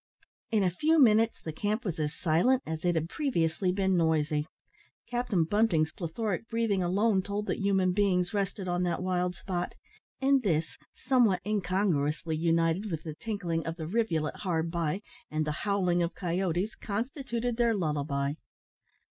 In a few minutes the camp was as silent as it had previously been noisy. Captain Bunting's plethoric breathing alone told that human beings rested on that wild spot; and this, somewhat incongruously united with the tinkling of the rivulet hard by, and the howling of coyotes, constituted their lullaby.